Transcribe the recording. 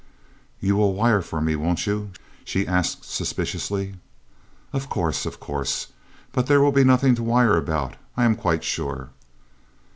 "You will wire for me, won't you?" she asked suspiciously. "Of course, of course but there will be nothing to wire about, I am quite sure."